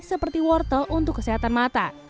seperti wortel untuk kesehatan mata